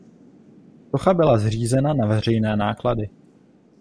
Socha byla zřízena na veřejné náklady.